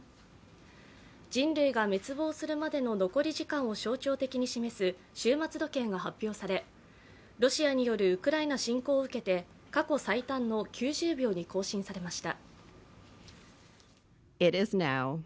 人類が滅亡するまでの残り時間を象徴的に示す終末時計が発表され、ロシアによるウクライナ侵攻を受けて、過去最短の９０秒に更新されました。